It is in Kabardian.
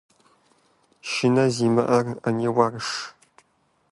Шынэ зымыщӀэр Ӏэниуарщ!